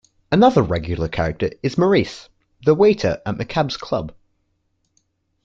Another regular character is Maurice, the waiter at McCabe's club.